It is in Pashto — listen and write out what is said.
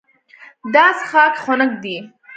دا څښاک خنک دی.